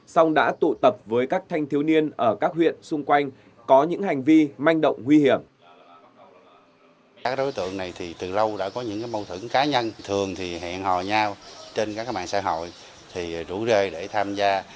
song đã tụ tập với các thanh thiếu niên ở các huyện xung quanh có những hành vi manh động nguy hiểm